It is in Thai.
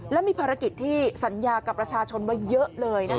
และมีภารกิจที่สัญญากับประชาชนไว้เยอะเลยนะคะ